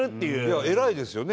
いや偉いですよね。